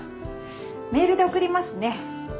メールで送りますね。